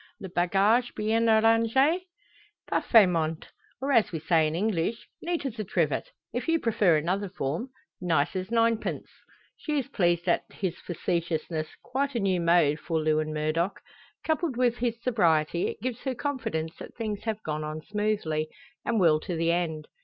"Le bagage bien arrange?" "Parfaitment; or as we say in English, neat as a trivet. If you prefer another form; nice as ninepence." She is pleased at his facetiousness, quite a new mode for Lewin Murdock. Coupled with his sobriety, it gives her confidence that things have gone on smoothly, and will to the end.